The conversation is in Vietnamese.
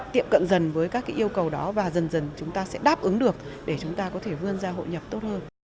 tiệm cận dần với các yêu cầu đó và dần dần chúng ta sẽ đáp ứng được để chúng ta có thể vươn ra hội nhập tốt hơn